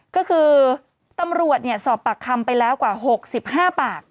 ก็คือตำรวจสอบปากคำไปแล้วกว่า๖๕ปาก